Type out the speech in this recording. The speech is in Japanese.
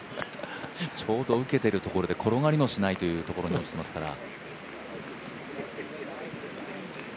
ちょうど受けているところで転がりもしないということですから。